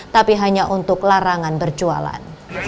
tapi hanya untuk larangan berjualan